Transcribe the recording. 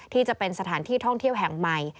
ที่จะเป็นสถานที่ท่องเที่ยวแห่งใหม่